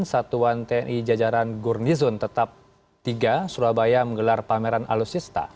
satuan tni jajaran gurnizon tetap tiga surabaya menggelar pameran alutsista